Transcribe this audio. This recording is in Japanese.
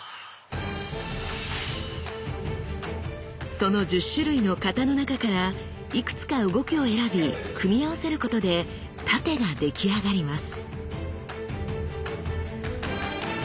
その１０種類の型の中からいくつか動きを選び組み合わせることで殺陣が出来上がります。